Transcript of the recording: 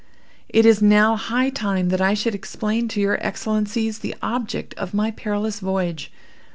"It is now high time that I should explain to your Excellencies the object of my perilous voyage.